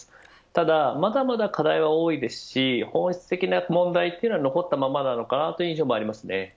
ただ、まだまだ課題は多いですし本質的な問題というのは残ったままなのかなという印象もあります。